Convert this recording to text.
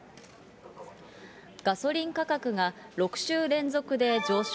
ガソリン価格が６週連続で上昇。